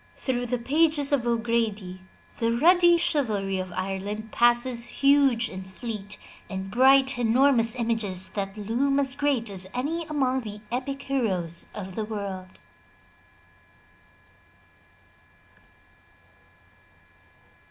Through the pages of O'Grady the ruddy chivalry of Ireland passes huge and fleet and bright, enormous images that loom as great as any among the epic heroes of the world.